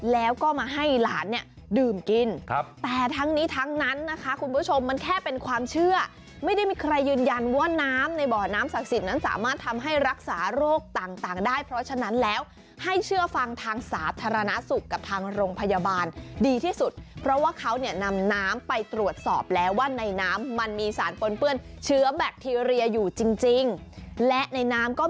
แล้วก็มาให้หลานเนี่ยดื่มกินครับแต่ทั้งนี้ทั้งนั้นนะคะคุณผู้ชมมันแค่เป็นความเชื่อไม่ได้มีใครยืนยันว่าน้ำในบ่อน้ำศักดิ์สิทธิ์นั้นสามารถทำให้รักษาโรคต่างได้เพราะฉะนั้นแล้วให้เชื่อฟังทางสาธารณสุขกับทางโรงพยาบาลดีที่สุดเพราะว่าเขาเนี่ยนำน้ำไปตรวจสอบแล้วว่าในน้ำมันมีสารปนเปื้อนเชื้อแบคทีเรียอยู่จริงและในน้ำก็มี